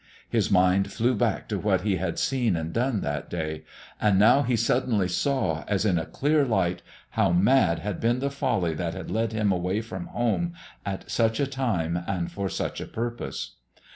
His mind flew back to what he had seen and done that day, and now he suddenly saw, as in a clear light, how mad had been the folly that had led him away from home at such a time and for such a purpose.